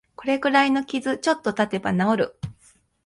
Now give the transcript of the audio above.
これくらいの傷、ちょっとたてば治る